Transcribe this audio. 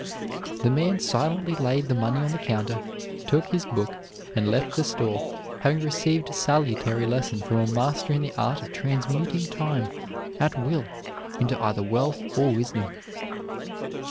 The man silently laid the money on the counter, took his book, and left the store, having received a salutary lesson from a master in the art of transmuting time, at will, into either wealth or wisdom.